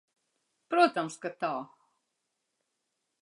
Protams, ka tā.